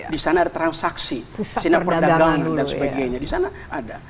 di sana ada transaksi sinar perdagangan dan sebagainya di sana ada